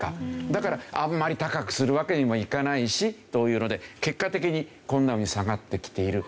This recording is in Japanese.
だからあんまり高くするわけにもいかないしというので結果的にこんなふうに下がってきている。